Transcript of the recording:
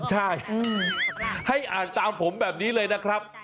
ใช่ให้อ่านตามผมแบบนี้เลยนะครับ